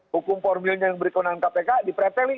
hukum formilnya yang diberi kewenangan kpk diproteli